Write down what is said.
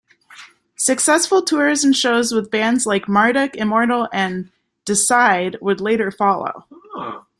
Successful tours and shows with bands like Marduk, Immortal, and Deicide would later follow.